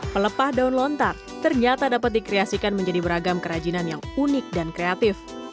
pelepah daun lontar ternyata dapat dikreasikan menjadi beragam kerajinan yang unik dan kreatif